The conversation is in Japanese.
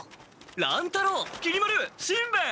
乱太郎きり丸しんべヱ。